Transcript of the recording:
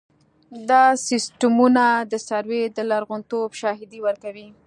دا سیستمونه د سروې د لرغونتوب شاهدي ورکوي